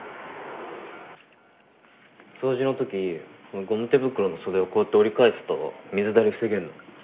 掃除の時このゴム手袋の袖をこうやって折り返すと水だれ防げるの。